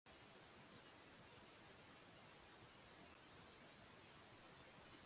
何年も光が当たることなかった。ノンレム睡眠。数年後、誰かが発掘した。